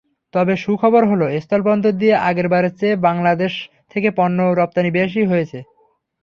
তবে সুখবর হলো, স্থলবন্দর দিয়ে আগেরবারের চেয়ে বাংলাদেশ থেকে পণ্য রপ্তানি বেশি হয়েছে।